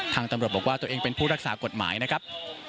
ตำรวจบอกว่าตัวเองเป็นผู้รักษากฎหมายนะครับ